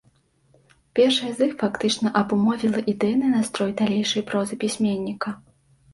Першая з іх фактычна абумовіла ідэйны настрой далейшай прозы пісьменніка.